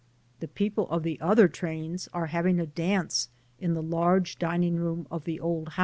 The people of the other trains are having a dance in the large dining room of the old house.